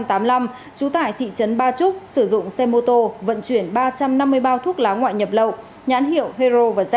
trú tại thị trấn ba trúc sử dụng xe mô tô vận chuyển ba trăm năm mươi bao thuốc lá ngoại nhập lậu nhãn hiệu hero và z